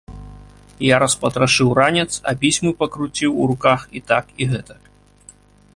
Я распатрашыў ранец, а пісьмы пакруціў у руках і так і гэтак.